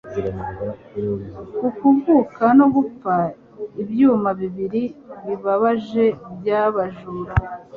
ku kuvuka no gupfa, ibyuma bibiri bibabaje byabajura